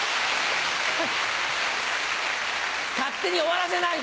勝手に終わらせない！